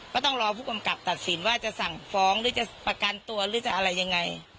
ต้องรอผู้กำกับตัดสินว่าจะสั่งฟ้องหรือจะประกันตัวหรือจะอะไรยังไง